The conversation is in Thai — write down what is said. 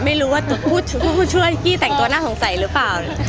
ไม่รู้ว่าผู้ช่วยขี้แต่งตัวหน้าสงสัยรึปะ